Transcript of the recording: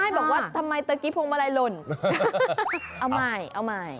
บอกว่าทำไมตะกี้พวงมาลัยหล่นเอาใหม่เอาใหม่